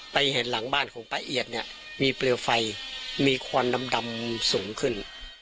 ไปเห็นหลังบ้านของป้าเอียดเนี่ยมีเปลวไฟมีควันดำสูงขึ้น